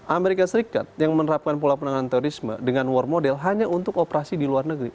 amerika serikat yang menerapkan pola penanganan terorisme dengan war model hanya untuk operasi di luar negeri